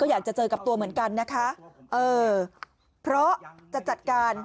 อยากจะเจอกับตัวเหมือนกันนะคะเออเพราะจะจัดการ